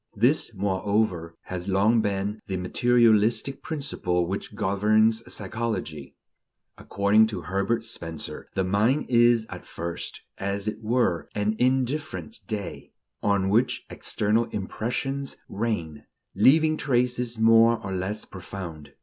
This, moreover, has long been the materialistic principle which governs psychology. According to Herbert Spencer, the mind is at first, as it were, an indifferent day, on which external impressions "rain," leaving traces more or less profound.